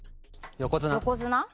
横綱？